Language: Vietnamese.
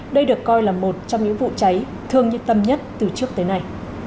đây được coi là một trong những vụ cháy thương nhiệt tâm nhất từ trước tới nay